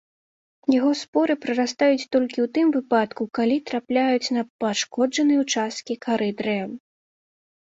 Яго споры прарастаюць толькі ў тым выпадку, калі трапляюць на пашкоджаныя ўчасткі кары дрэў.